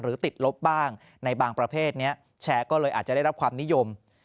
ติดลบบ้างในบางประเภทนี้แชร์ก็เลยอาจจะได้รับความนิยม